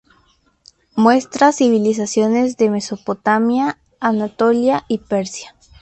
Muestra civilizaciones de Mesopotamia, Anatolia y Persia.